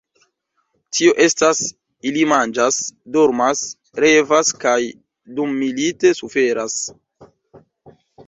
Tio estas, ili manĝas, dormas, revas… kaj dummilite suferas.